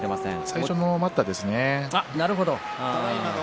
最初の待ったですよね。